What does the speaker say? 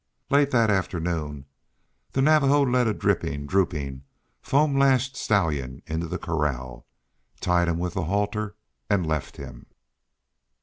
Late that afternoon the Navajo led a dripping, drooping, foam lashed stallion into the corral, tied him with the halter, and left him.